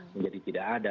menjadi tidak ada